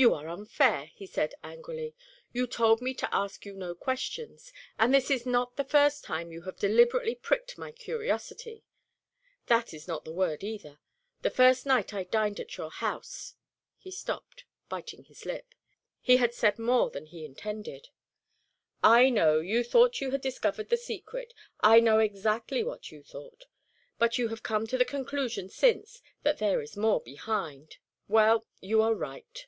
"You are unfair," he said, angrily. "You told me to ask you no questions, and this is not the first time you have deliberately pricked my curiosity that is not the word, either. The first night I dined at your house " he stopped, biting his lip. He had said more than he intended. "I know. You thought you had discovered the secret I know exactly what you thought. But you have come to the conclusion since that there is more behind. Well, you are right."